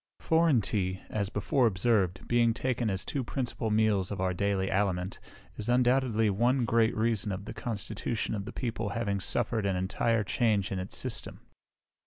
Foreign tea, as before observed, being taken as two principal meals of our daily aliment, is undoubtedly one great reason of the constitution of the people having suffered an entire change in its system.